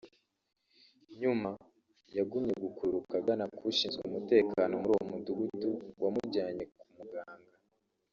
nyuma yagumye gukururuka agana k’ ushinzwe umutekano muri uwo Mudugudu wamujyanye ku muganga